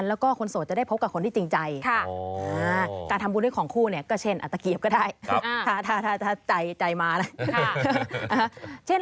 รองเท้าก็ดีเหมือนกัน